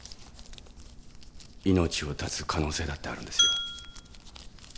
命を絶つ可能性だってあるんですよ。